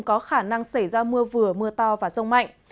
có khả năng xảy ra mưa vừa mưa to và rông mạnh